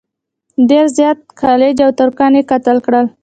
ډېر زیات خلج او ترکان یې قتل کړل.